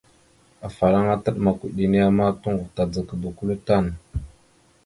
Afalaŋa taɗəmak eɗe henne ma, toŋgov tadzagaba kʉle tan.